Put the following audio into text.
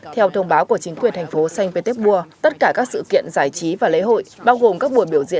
theo thông báo của chính quyền thành phố saint petersburg tất cả các sự kiện giải trí và lễ hội